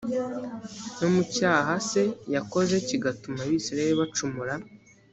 no mu cyaha se yakoze kigatuma abisirayeli bacumura